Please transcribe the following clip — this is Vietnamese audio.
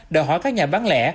đòi hỏi các nhà bán lẻ